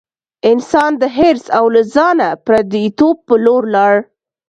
انسان د حرص او له ځانه پردیتوب په لور لاړ.